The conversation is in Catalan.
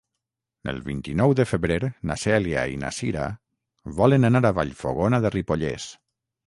El vint-i-nou de febrer na Cèlia i na Cira volen anar a Vallfogona de Ripollès.